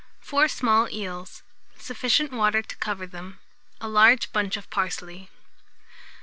4 small eels, sufficient water to cover them; a large bunch of parsley.